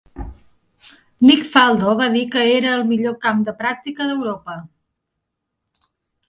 Nick Faldo va dir que era el millor camp de pràctica d"Europa.